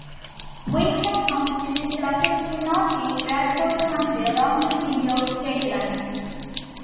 Windham Township is located in northeast Bradford County, along the New York state line.